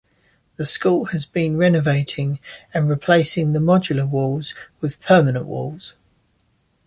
The school has been renovating and replacing the modular walls with permanent walls.